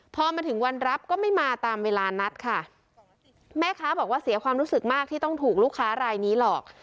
พอมาถึงวันรับก็ไม่มาตามเวลานัดค่ะแม่ค้าบอกว่าเสียความรู้สึกมากที่ต้องถูกลูกค้ารายนี้หลอก